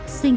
hồ chí minh